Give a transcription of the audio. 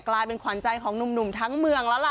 กลายเป็นขวัญใจของหนุ่มทั้งเมืองแล้วล่ะ